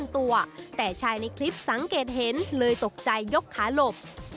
แต่ชายในคลิปสังเกตเห็นเลยตกใจยกขาหลบ